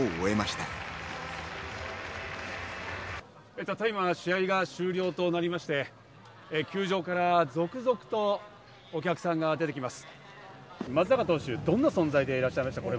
たった今、試合が終了となりまして、球場から続々とお客さんが出てきます。